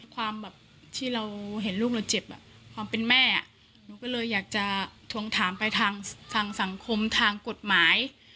ความแบบที่เราเห็นลูกเราเจ็บความเป็นแม่หนูก็เลยอยากจะทวงถามไปทางสังคมทางกฎหมาย